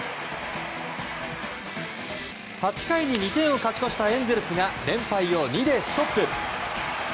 ８回に２点を勝ち越したエンゼルスが連敗を２でストップ。